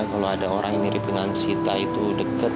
kalau ada orang yang mirip dengan sita itu dekat